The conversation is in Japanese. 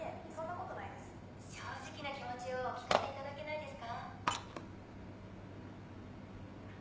正直な気持ちをお聞かせいただけないですか？